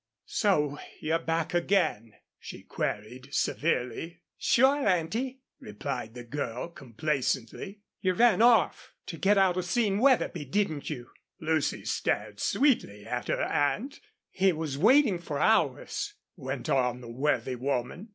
"So you're back again?" she queried, severely. "Sure, Auntie," replied the girl, complacently. "You ran off to get out of seeing Wetherby, didn't you?" Lucy stared sweetly at her aunt. "He was waiting for hours," went on the worthy woman.